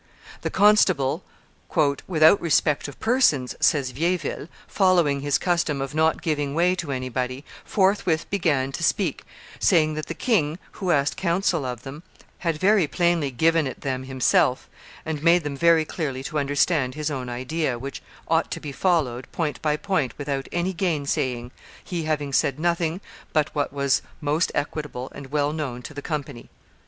The constable, "without respect of persons," says Vieilleville, "following his custom of not giving way to anybody, forthwith began to speak, saying that the king, who asked counsel of them, had very plainly given it them himself and made them very clearly to understand his own idea, which ought to be followed point by point without any gainsaying, he having said nothing but what was most equitable and well known to the company."